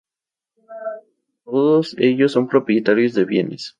Todos ellos son propietarios de bienes.